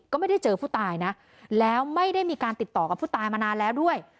ก็ไม่ได้เจอผู้ตายนะแล้วไม่ได้มีการติดต่อกับผู้ตายมานานแล้วด้วย